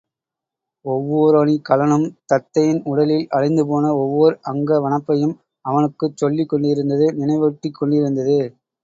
ஒவ்வோரணி கலனும் தத்தையின் உடலில் அழிந்துபோன ஒவ்வோர் அங்க வனப்பையும் அவனுக்குச் சொல்லிக் கொண்டிருந்தது நினைவூட்டிக் கொண்டிருந்தது.